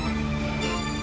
kusir syetan syetan itu